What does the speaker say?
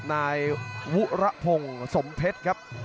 นายวุระพงศ์สมเพชรครับ